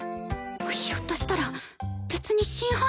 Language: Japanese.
ひょっとしたら別に真犯人が。